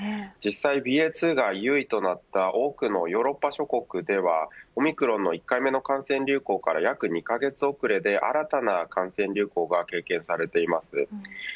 実際ＢＡ．２が優位となった多くのヨーロッパ諸国ではオミクロンの１回目の感染流行から約２カ月遅れで新たな感染流行が経験されています。